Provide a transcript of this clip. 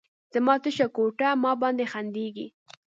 زما تشه کوټه، ما باندې خندیږې